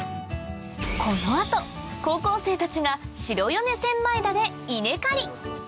この後高校生たちが白米千枚田で稲刈り！